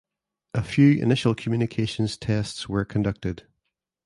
A few initial communications tests were conducted.